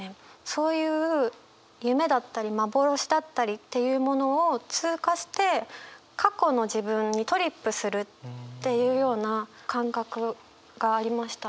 そういう夢だったり幻だったりっていうものを通過して過去の自分にトリップするっていうような感覚がありました。